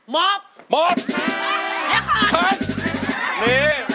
มองข้าซึก